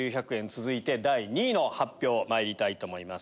続いて第２位の発表まいりたいと思います。